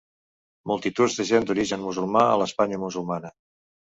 Multituds de gent d'origen musulmà a l'Espanya musulmana.